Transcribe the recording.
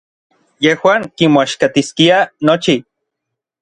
Yejuan kimoaxkatiskiaj nochi.